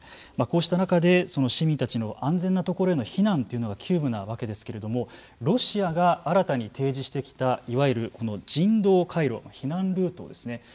こうした中で市民たちの安全なところへの避難というのが急務なわけですけれどもロシアが新たに提示してきたいわゆる人道回路避難ルートですね。